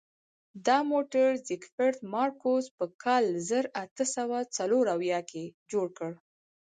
دا موټر زیکفرد مارکوس په کال زر اته سوه څلور اویا کې جوړ کړ.